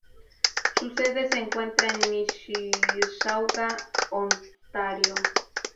Su sede se encuentra en Mississauga, Ontario.